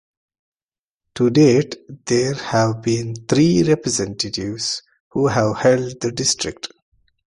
To date there have been three representatives who have held the district.